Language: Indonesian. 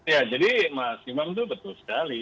ya jadi mas imam itu betul sekali